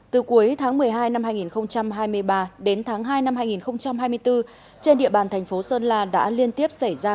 từ cuối tháng một mươi hai năm hai nghìn hai mươi ba đến tháng hai năm hai nghìn hai mươi bốn trên địa bàn thành phố sơn la đã liên tiếp xảy ra